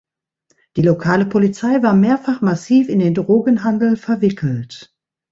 Die lokale Polizei war mehrfach massiv in den Drogenhandel verwickelt.